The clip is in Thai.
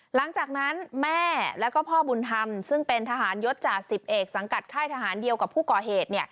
หลังจากนั้นแม่แล้วก็พ่อบุญธรรมซึ่งเป็นทหารยศจาก๑๐เอกสังกัดค่ายทหารเดียวกับผู้ก่อเหตุ